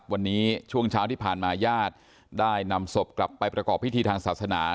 วันนี้ช่วงเช้าที่ผ่านมาญาติได้นำศพกลับไปประกอบพิธีทางศาสนา